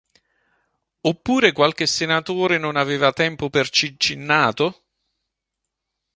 Oppure qualche senatore non aveva tempo per Cincinnato?.